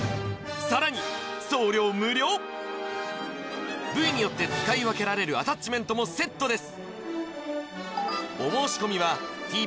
さらに送料無料部位によって使い分けられるアタッチメントもセットです